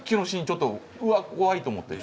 ちょっと「うわ怖い」と思って。